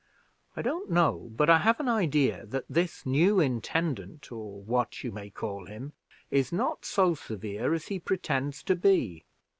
I don't know, but I have an idea, that this new intendant, or what you may call him, is not so severe as he pretends to be.